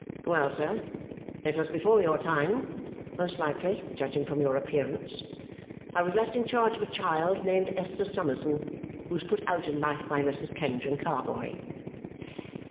"Well, sir, it was before your time, most likely, judging from your appearance. I was left in charge of a child named Esther Summerson, who was put out in life by Messrs. Kenge and Carboy."